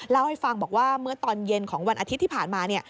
เล่าให้ฟังบอกว่าเมื่อตอนเย็นของวันอาทิตย์ที่ผ่านมาเนี่ย